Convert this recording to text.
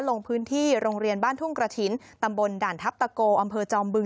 ลงพื้นที่โรงเรียนบ้านทุ่งกระถิ่นตำบลด่านทัพตะโกอำเภอจอมบึง